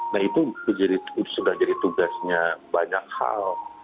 nah itu sudah jadi tugasnya banyak hal